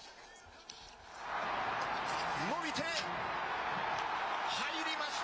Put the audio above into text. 伸びて、入りました。